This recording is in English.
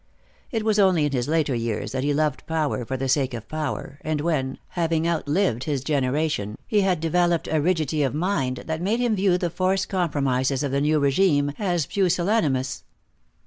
It was only in his later years that he loved power for the sake of power, and when, having outlived his generation, he had developed a rigidity of mind that made him view the forced compromises of the new regime as pusillanimous.